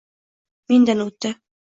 Mendan o'tdi.